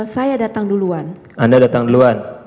saya datang duluan anda datang duluan